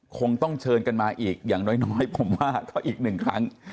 คงต้องเชิญกันมาอีกอย่างน้อยผมว่าก็อีกหนึ่งครั้ง